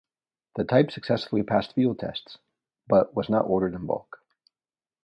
The type successfully passed field tests, but was not ordered in bulk.